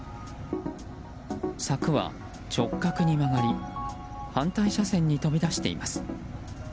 柵は直角に曲がり反対車線に飛び出しています。